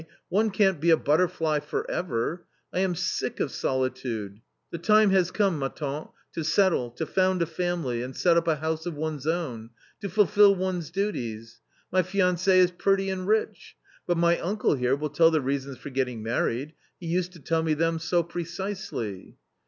One can't be a butterfly for ever! I am sick \:\"^ of solitude ; the time has come, ma tante, to settle, to ^^; found a family and set up a house of one's own, to fulfil \i one's duties My fianck is pretty and rich. But ^%"> my uncle here will tell the reasons for getting married ; he ^.' used to tell me them so precisely."